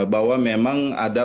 bahwa memang ada